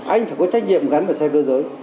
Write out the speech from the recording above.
anh phải có trách nhiệm gắn với xe cơ giới